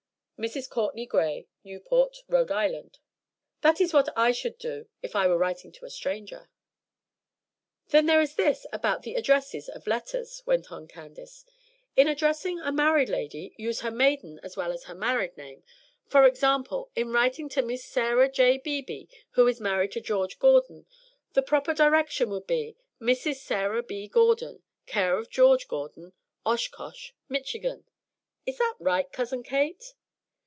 "MRS. COURTENAY GRAY, "Newport, R. I. That is what I should do if I were writing to a stranger." "Then there is this about the addresses of letters," went on Candace: "'In addressing a married lady, use her maiden as well as her married name; for example, in writing to Miss Sarah J. Beebe, who is married to George Gordon, the proper direction would be Mrs. Sarah B. Gordon, Care of George Gordon, Oshkosh, Michigan.' Is that right, Cousin Kate?"